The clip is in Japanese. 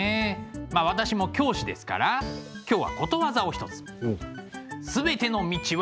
まあ私も教師ですから今日はことわざを一つ。おっ。